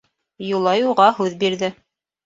Юлай уға һүҙ бирҙе.